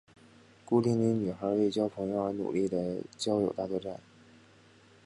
孤零零女孩为交朋友而努力的交友大作战。